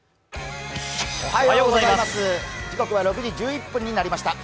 時刻は６時１１分になりました